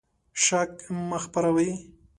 شګه مه خپروئ.